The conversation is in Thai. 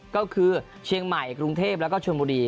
ก็คือเชียงใหม่กรุงเทพแล้วก็ชนบุรี